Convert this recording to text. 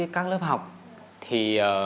các lớp học thì